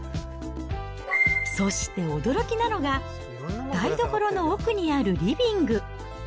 そして驚きなのが、台所の奥にあるリビング。